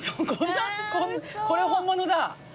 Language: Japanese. これ本物だ。